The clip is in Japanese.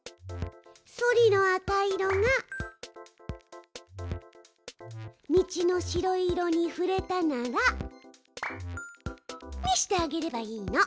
ソリの赤色が道の白色に触れたならにしてあげればいいの。